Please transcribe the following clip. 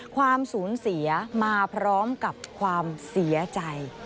ความสูญเสียมาพร้อมกับความเสียใจ